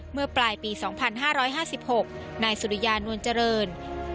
เมื่อปลายปี๒๕๕๖นายสุริยานวลเจริญ